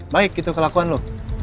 baik gitu kelakuan lo